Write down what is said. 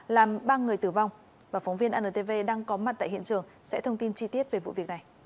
làm ba người tử vong và phóng viên antv đang có mặt tại hiện trường sẽ thông tin chi tiết về vụ việc này